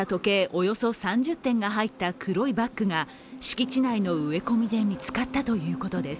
およそ３０点が入った黒いバッグが敷地内の植え込みで見つかったということです。